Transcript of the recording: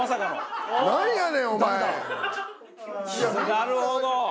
なるほど！